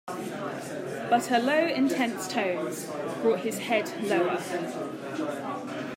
But her low, intense tones brought his head lower.